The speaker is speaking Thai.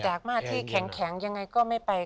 มาที่แข็งยังไงก็ไม่ไป